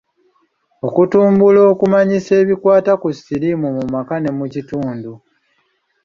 Okutumbula okumanyisa ebikwata ku siriimu mu maka ne mu kitundu.